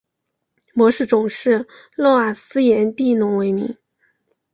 模式种是诺瓦斯颜地龙为名。